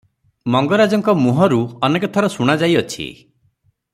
ମଙ୍ଗରାଜଙ୍କ ମୁହଁରୁ ଅନେକ ଥର ଶୁଣାଯାଇଅଛି